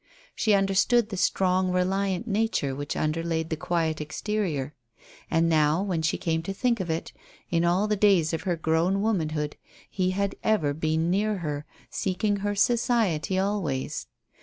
She understood the strong, reliant nature which underlaid the quiet exterior. And now, when she came to think of it, in all the days of her grown womanhood he had ever been near her, seeking her society always.